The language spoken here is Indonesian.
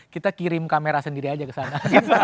kita kirim kamera sendiri aja ke sana